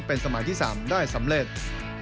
แชมป์สัมมาสรรค์อาเซียนเป็นสมัยที่๓ได้สำเร็จ